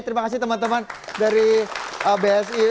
terima kasih teman teman dari bsi